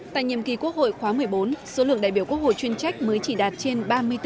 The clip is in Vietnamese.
tại nhiệm kỳ quốc hội khóa một mươi bốn số lượng đại biểu quốc hội chuyên trách mới chỉ đạt trên ba mươi bốn